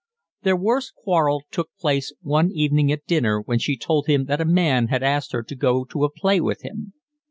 Their worst quarrel took place one evening at dinner when she told him that a man had asked her to go to a play with him.